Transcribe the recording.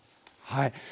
はい。